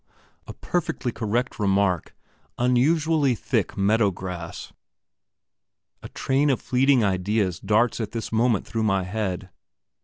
a perfectly correct remark unusually thick meadow grass.... A train of fleeting ideas darts at this moment through my head.